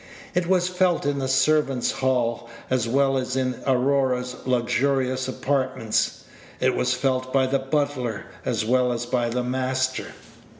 It was felt in the servants' hall as well as in Aurora's luxurious apartments. It was felt by the butler as well as by the master.